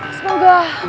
tapi daripada gua dukung